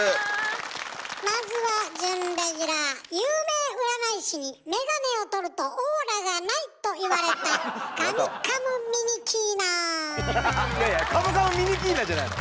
まずは有名占い師に「眼鏡を取るとオーラがない」と言われたいやいやカムカムミニキーナじゃないの。